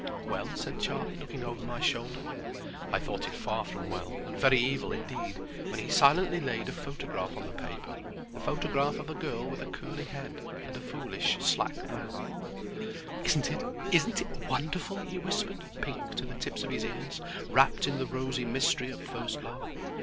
"Well?" said Charlie, looking over my shoulder. I thought it far from well, and very evil indeed, when he silently laid a photograph on the paper—the photograph of a girl with a curly head, and a foolish slack mouth. "Isn't it—isn't it wonderful?" he whispered, pink to the tips of his ears, wrapped in the rosy mystery of first love.